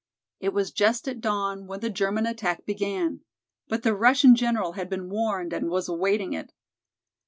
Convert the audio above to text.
It was just at dawn when the German attack began. But the Russian general had been warned and was awaiting it.